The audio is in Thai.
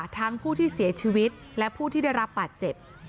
ทั้งผู้ที่เสียชีวิตและผู้ที่ได้รับบาดเจ็บ